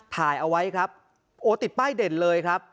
ถ่ายเอาไว้ครับโอ้ติดป้ายเด่นเลยครับ